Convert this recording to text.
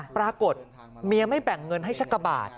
ปรากฏเมียไม่แบ่งเงินให้สักกะบาท